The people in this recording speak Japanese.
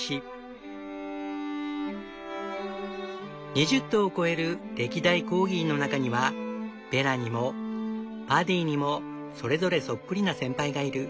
２０頭を超える歴代コーギーの中にはベラにもパディにもそれぞれそっくりな先輩がいる。